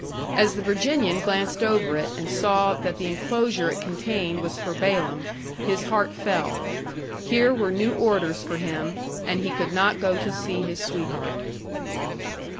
As the Virginian glanced over it and saw that the enclosure it contained was for Balaam, his heart fell. Here were new orders for him, and he could not go to see his sweetheart.